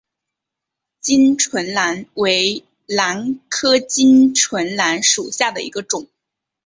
巾唇兰为兰科巾唇兰属下的一个种。